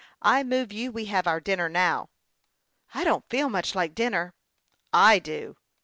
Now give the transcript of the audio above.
I move you we have our dinner now." " I don't feel much like dinner." "I do."